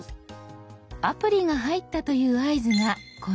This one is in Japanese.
アプリが入ったという合図がこの「開く」。